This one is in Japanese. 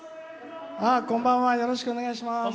こんばんはよろしくお願いします。